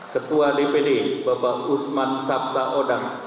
ketua dpd bapak usman sabta odang